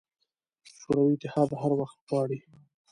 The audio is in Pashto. شوروي اتحاد هر وخت غواړي.